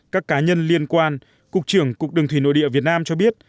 các cá nhân liên quan cục trưởng cục đường thủy nội địa việt nam cho biết